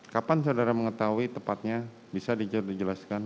kapan saudara mengetahui tepatnya bisa dijelaskan